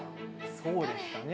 そうでしたね。